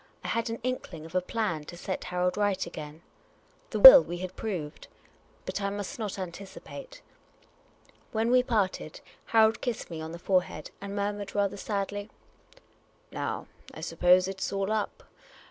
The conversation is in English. I had an inkling of a plan to set Harold right again. The will we had proved but I must not anticipate. When we parted, Harold kissed me on the forehead, and murmured rather sadly, " Now, I suppose it 's all up.